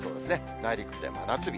内陸部で真夏日。